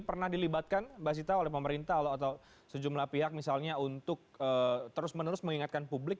pernah dilibatkan mbak sita oleh pemerintah atau sejumlah pihak misalnya untuk terus menerus mengingatkan publik